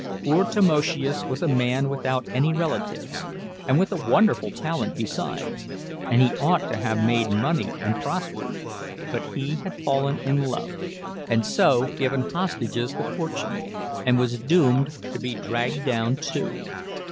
Poor Tamoszius was a man without any relatives, and with a wonderful talent besides, and he ought to have made money and prospered; but he had fallen in love, and so given hostages to fortune, and was doomed to be dragged down too.